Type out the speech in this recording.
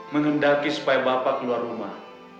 mengendaki supaya bapak keluar rumah